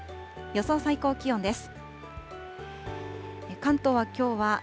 予想最高気温です。